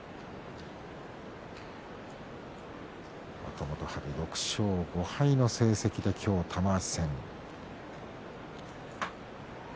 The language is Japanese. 若元春、６勝５敗の成績で今日、玉鷲戦。